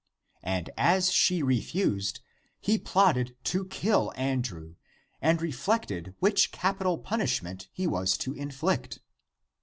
And as she refused, he plotted to kill Andrew, and re flected which capital punishment he was to inflict.